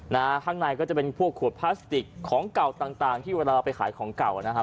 นะฮะข้างในก็จะเป็นพวกขวดพลาสติกของเก่าต่างต่างที่เวลาเราไปขายของเก่านะฮะ